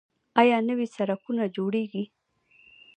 آیا نوي سرکونه جوړیږي؟